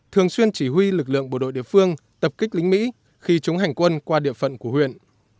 thường xuyên chỉ huy lực lượng bộ đội địa phương tập kích lính mỹ khi chúng hành quân qua địa phận của huyện